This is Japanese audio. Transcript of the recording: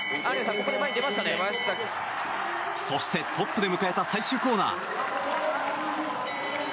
そして、トップで迎えた最終コーナー。